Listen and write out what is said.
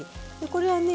これはね